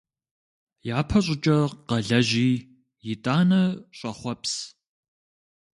Япэщӏыкӏэ къэлэжьи, итӏанэ щӏэхъуэпс.